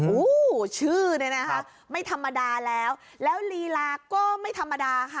โอ้โหชื่อเนี่ยนะคะไม่ธรรมดาแล้วแล้วลีลาก็ไม่ธรรมดาค่ะ